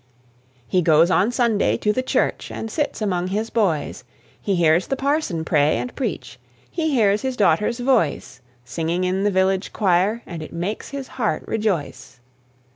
He goes on Sunday to the church, And sits among his boys; He hears the parson pray and preach, He hears his daughter's voice Singing in the village choir, And it makes his heart rejoice.